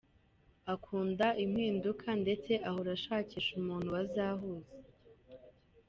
Akunda impinduka ndetse ahora ashakisha umuntu bazahuza.